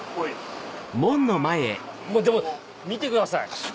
うわでも見てください。